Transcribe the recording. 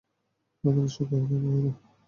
আমাদের সুখী হতে দেবে না।